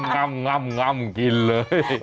ง่ำกินเลย